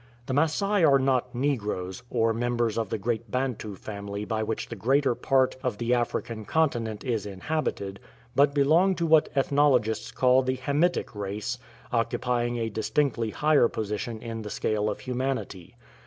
The Masai are not negroes, or members of the great Bantu family by which the greater part of the African continent is inhabited, but belong to what ethnologists call the Hamitic race, occupying a dis tinctly higher position in the scale of humanity.